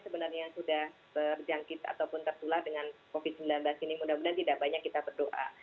karena yang sudah berjangkit ataupun tertular dengan covid sembilan belas ini mudah mudahan tidak banyak kita berdoa